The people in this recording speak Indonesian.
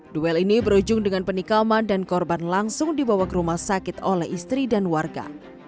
duel ini berujung dengan penikaman dan korban langsung dibawa ke rumah sakit oleh istri dan warga